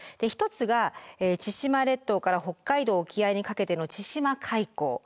一つが千島列島から北海道沖合にかけての千島海溝。